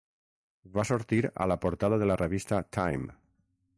Va sortir a la portada de la revista 'Time'.